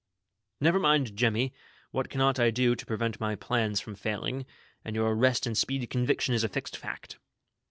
"Never mind Jemmy, what cannot I do, to prevent my plans from failing, and your arrest and speedy conviction is a fixed fact."